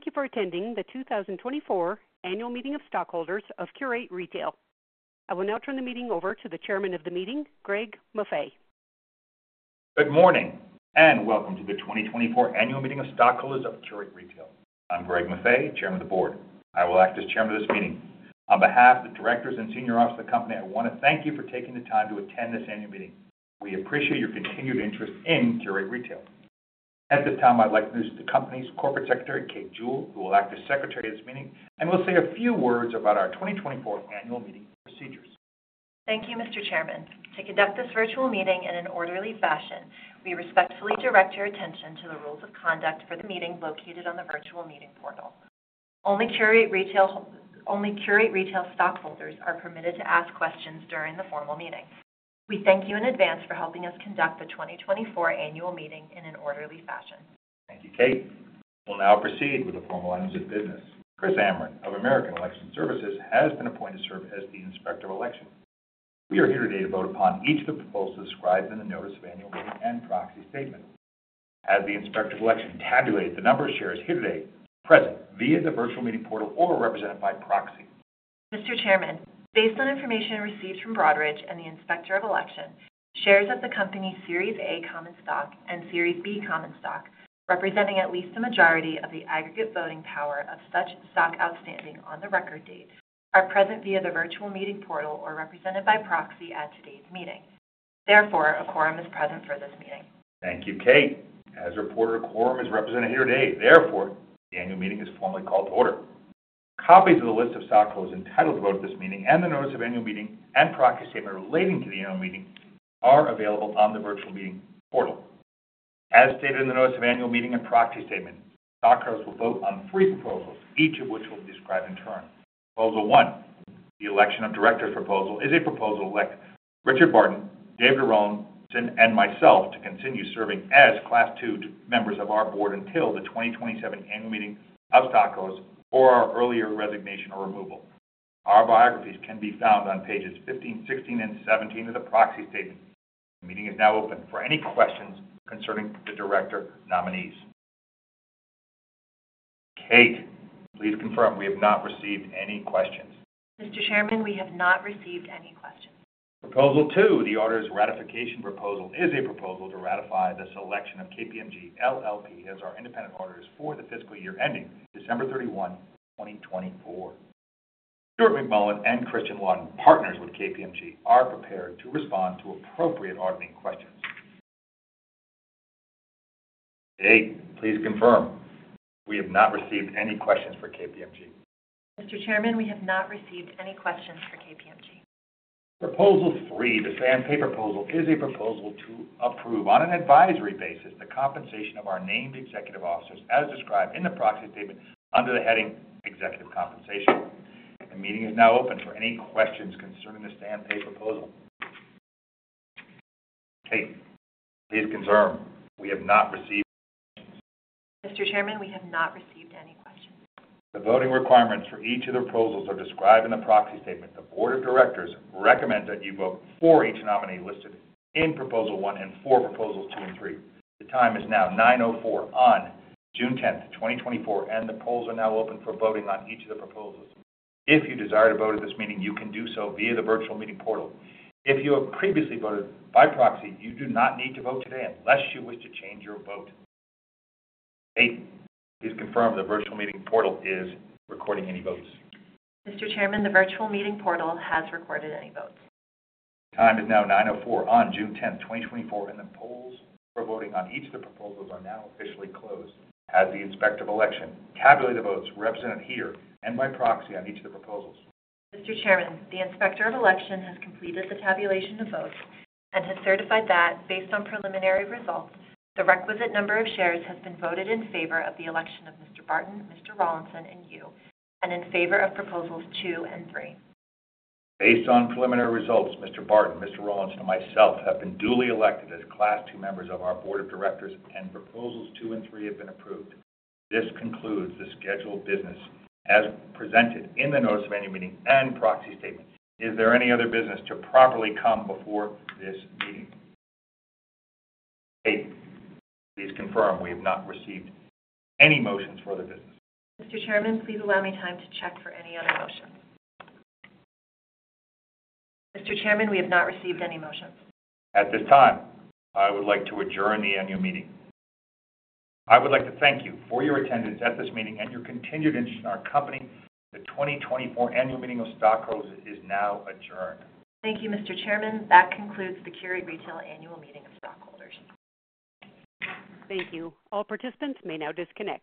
Thank you for attending the 2024 Annual Meeting of Stockholders of Qurate Retail. I will now turn the meeting over to the chairman of the meeting, Greg Maffei. Good morning, and welcome to the 2024 Annual Meeting of Stockholders of Qurate Retail. I'm Greg Maffei, Chairman of the Board. I will act as chairman of this meeting. On behalf of the directors and senior officers of the company, I want to thank you for taking the time to attend this annual meeting. We appreciate your continued interest in Qurate Retail. At this time, I'd like to introduce the company's corporate secretary, Kate Jewell, who will act as secretary of this meeting and will say a few words about our 2024 annual meeting procedures. Thank you, Mr. Chairman. To conduct this virtual meeting in an orderly fashion, we respectfully direct your attention to the rules of conduct for the meeting located on the virtual meeting portal. Only Qurate Retail stockholders are permitted to ask questions during the formal meeting. We thank you in advance for helping us conduct the 2024 annual meeting in an orderly fashion. Thank you, Kate. We'll now proceed with the formal items of business. Chris Amero of American Election Services has been appointed to serve as the Inspector of Election. We are here today to vote upon each of the proposals described in the Notice of Annual Meeting and Proxy Statement. As the Inspector of Election tabulate the number of shares here today present via the virtual meeting portal or represented by proxy. Mr. Chairman, based on information received from Broadridge and the Inspector of Election, shares of the company Series A Common Stock and Series B Common Stock, representing at least the majority of the aggregate voting power of such stock outstanding on the record date, are present via the virtual meeting portal or represented by proxy at today's meeting. Therefore, a quorum is present for this meeting. Thank you, Kate. As reported, a quorum is represented here today, therefore, the annual meeting is formally called to order. Copies of the list of stockholders entitled to vote at this meeting and the Notice of Annual Meeting and Proxy Statement relating to the annual meeting are available on the virtual meeting portal. As stated in the Notice of Annual Meeting and Proxy Statement, stockholders will vote on three proposals, each of which will be described in turn. Proposal one, the election of directors proposal, is a proposal to elect Richard Barton, Dave Rawlinson, and myself to continue serving as Class II members of our board until the 2027 annual meeting of stockholders or our earlier resignation or removal. Our biographies can be found on pages 15, 16, and 17 of the proxy statement. The meeting is now open for any questions concerning the director nominees. Kate, please confirm. We have not received any questions. Mr. Chairman, we have not received any questions. Proposal two, the auditor's ratification proposal, is a proposal to ratify the selection of KPMG LLP as our independent auditors for the fiscal year ending December 31, 2024. Stuart McMullan and Kristin Lund, partners with KPMG, are prepared to respond to appropriate auditing questions. Kate, please confirm. We have not received any questions for KPMG. Mr. Chairman, we have not received any questions for KPMG. Proposal three, the Say-on-Pay proposal, is a proposal to approve, on an advisory basis, the compensation of our named executive officers as described in the Proxy Statement under the heading Executive Compensation. The meeting is now open for any questions concerning the Say-on-Pay proposal. Kate, please confirm. We have not received any questions. Mr. Chairman, we have not received any questions. The voting requirements for each of the proposals are described in the proxy statement. The board of directors recommend that you vote for each nominee listed in proposal one and for proposals two and three. The time is now 9:04 A.M. on June tenth, 2024, and the polls are now open for voting on each of the proposals. If you desire to vote at this meeting, you can do so via the virtual meeting portal. If you have previously voted by proxy, you do not need to vote today unless you wish to change your vote. Kate, please confirm the virtual meeting portal is recording any votes. Mr. Chairman, the virtual meeting portal has recorded any votes. The time is now 9:04 A.M. on June 10, 2024, and the polls for voting on each of the proposals are now officially closed. Has the Inspector of Election tabulated the votes represented here and by proxy on each of the proposals? Mr. Chairman, the Inspector of Election has completed the tabulation of votes and has certified that, based on preliminary results, the requisite number of shares has been voted in favor of the election of Mr. Barton, Mr. Rawlinson, and you, and in favor of proposals two and three. Based on preliminary results, Mr. Barton, Mr. Rawlinson, and myself have been duly elected as Class II members of our board of directors, and Proposals 2 and 3 have been approved. This concludes the scheduled business as presented in the Notice of Annual Meeting and Proxy Statement. Is there any other business to properly come before this meeting? Kate, please confirm. We have not received any motions for other business. Mr. Chairman, please allow me time to check for any other motions. Mr. Chairman, we have not received any motions. At this time, I would like to adjourn the annual meeting. I would like to thank you for your attendance at this meeting and your continued interest in our company. The 2024 Annual Meeting of Stockholders is now adjourned. Thank you, Mr. Chairman. That concludes the Qurate Retail Annual Meeting of Stockholders. Thank you. All participants may now disconnect.